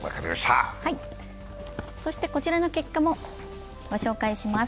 こちらの結果もご紹介します。